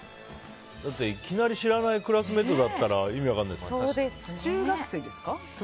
だって、いきなり知らないクラスメートなら中学生の時？